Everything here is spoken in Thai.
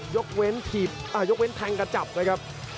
ยกเว้นทางกระจับเลยครับ